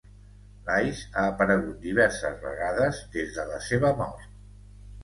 L'Ice ha aparegut diverses vegades des de la seva mort.